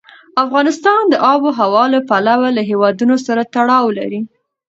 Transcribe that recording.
افغانستان د آب وهوا له پلوه له هېوادونو سره تړاو لري.